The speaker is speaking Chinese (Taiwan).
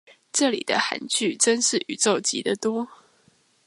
這裡的罕句真是宇宙級的多